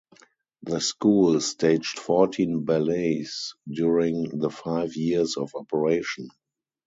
The school staged fourteen ballets during the five years of operation.